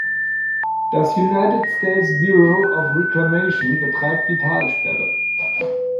Das United States Bureau of Reclamation betreibt die Talsperre.